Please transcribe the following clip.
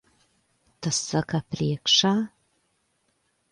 Tas saka priekšā.